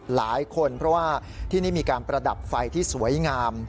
หลายคนเพราะว่าที่นี่มีการประดับไฟที่สวยงาม